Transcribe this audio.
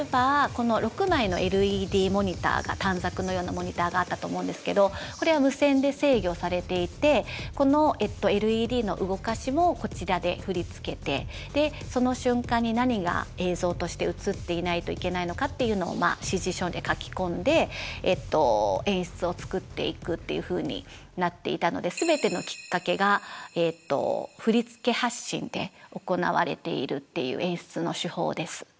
この６枚のＬＥＤモニターが短冊のようなモニターがあったと思うんですけどこれは無線で制御されていてこのＬＥＤの動かしもこちらで振り付けてその瞬間に何が映像として映っていないといけないのかっていうのを指示書に書き込んで演出を作っていくっていうふうになっていたのでで行われているっていう演出の手法です。